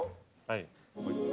はい。